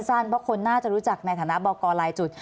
เพราะคนน่าจะรู้จักในฐานะบอกกรลายจุด